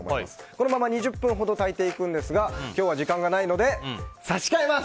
このまま２０分ほど炊いていくんですが今日は時間がないので差し替えます！